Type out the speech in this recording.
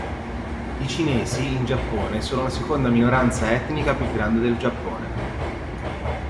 I Cinesi in Giappone sono la seconda minoranza etnica più grande del Giappone.